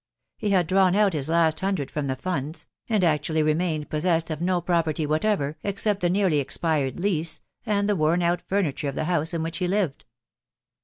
he had drawn out his last hundred from the funds, tand actually remained possessed of no pro perty whatever, except the nearly expired lease, and the worn out furniture of the house in which he .lived.